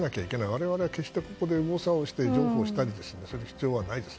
我々は決して、ここで右往左往したりする必要はないです。